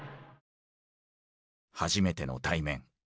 初めての対面。